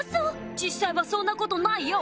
実際はそんなことないＹＯ！